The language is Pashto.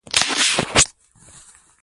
د ماضي، اوسني او راتلونکي حالتونو د سمون